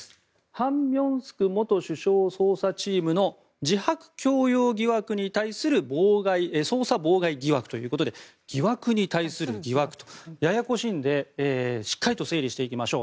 ハン・ミョンスク元首相捜査チームの自白強要疑惑に対する捜査妨害疑惑ということで疑惑に対する疑惑ややこしいので、しっかりと整理していきましょう。